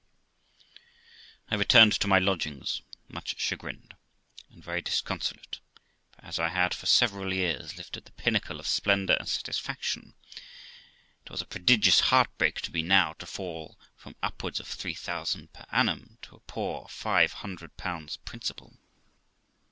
I returned to my lodgings much chagrined, and very disconsolate; for as I had for several years lived at the pinnacle of splendour and satis faction, it was a prodigious heart break to me now to fall from upwards of 3000 per annum to a poor 500 principal.